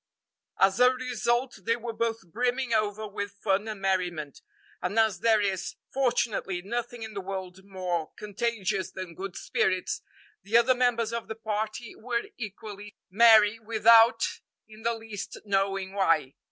As a result, they were both brimming over with fun and merriment; and as there is, fortunately, nothing in the world more contagious than good spirits, the other members of the party were equally merry without in the least knowing why.